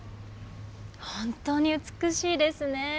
本当に美しいですね。